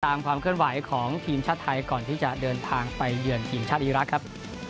ความเคลื่อนไหวของทีมชาติไทยก่อนที่จะเดินทางไปเยือนทีมชาติอีรักษ์ครับ